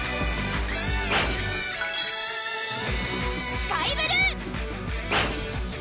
スカイブルー！